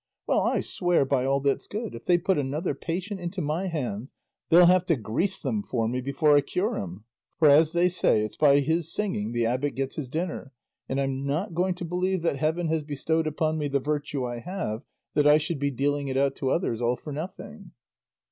Well, I swear by all that's good if they put another patient into my hands, they'll have to grease them for me before I cure him; for, as they say, 'it's by his singing the abbot gets his dinner,' and I'm not going to believe that heaven has bestowed upon me the virtue I have, that I should be dealing it out to others all for nothing."